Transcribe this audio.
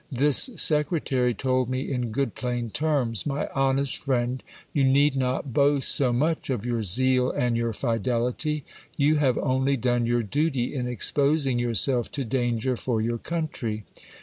This secretary told me in good plain terms : My honest friend, you need not boast so much of your zeal and your fidelity ; you have only done your duty in ex posing yourself to danger for your country.